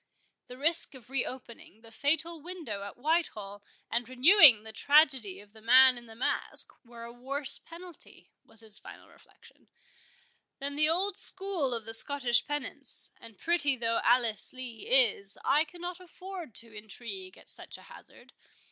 "The risk of re opening the fatal window at Whitehall, and renewing the tragedy of the Man in the Mask, were a worse penalty," was his final reflection, "than the old stool of the Scottish penance; and pretty though Alice Lee is, I cannot afford to intrigue at such a hazard.